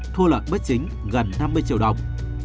thua lợi bất chính gần năm mươi triệu đồng